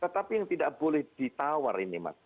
tetapi yang tidak boleh ditawar ini mas